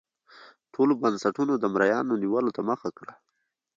ټولو بنسټونو د مریانو نیولو ته مخه کړه.